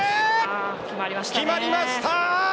決まりました。